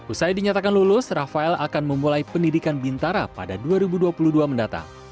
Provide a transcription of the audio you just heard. usai dinyatakan lulus rafael akan memulai pendidikan bintara pada dua ribu dua puluh dua mendatang